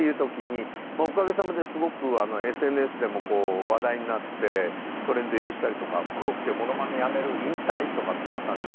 おかげさまですごくＳＮＳでも話題になってトレンド入りしたりとか「コロッケモノマネやめる引退」とかってなったんですが。